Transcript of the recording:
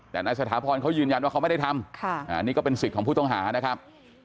แต่นายสถาพรเขายืนยันว่าเขาไม่ได้ทำอันนี้ก็เป็นสิทธิ์ของผู้ต้องหานะครับ